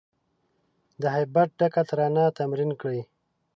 د هیبت ډکه ترانه تمرین کړی